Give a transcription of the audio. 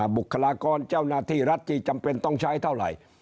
บุคลากรเจ้าหน้าที่รัฐที่จำเป็นต้องใช้เท่าไหร่